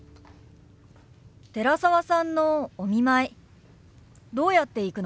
寺澤さんのお見舞いどうやって行くの？